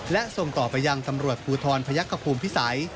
และส่งต่อไปยังตำรวจภูทรพยักษภูมิพิสัย